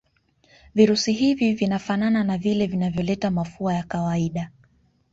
virusi hivi vinafana na vile vinavyoleta mafua ya kawaida